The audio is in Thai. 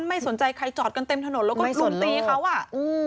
ไม่สนใจใครจอดกันเต็มถนนแล้วก็ลุมตีเขาอ่ะอืม